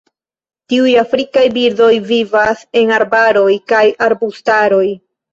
Tiuj afrikaj birdoj vivas en arbaroj kaj arbustaroj.